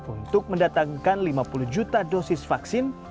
untuk mendatangkan lima puluh juta dosis vaksin